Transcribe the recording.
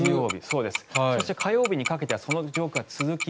そして、火曜日にかけてはその状況が続き